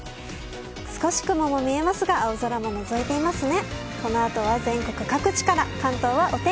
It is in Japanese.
少し雲も見えますが青空ものぞいていますね。